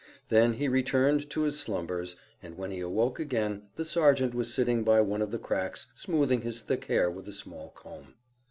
Then he returned to his slumbers, and when he awoke again the sergeant was sitting by one of the cracks smoothing his thick hair with a small comb.